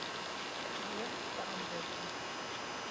Berjocht beäntwurdzje.